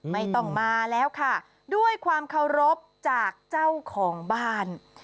ไม่ต้องมาแล้วค่ะด้วยความเคารพจากเจ้าของบ้าน